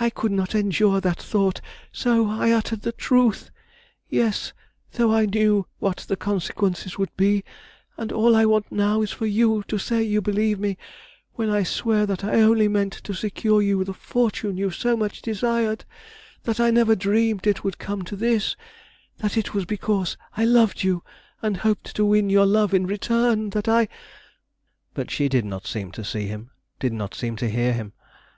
I could not endure that thought, so I uttered the truth, yes, though I knew what the consequence would be, and all I want now is for you to say you believe me, when I swear that I only meant to secure to you the fortune you so much desired; that I never dreamed it would come to this; that it was because I loved you, and hoped to win your love in return that I " But she did not seem to see him, did not seem to hear him.